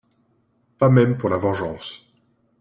Pas même pour la vengeance.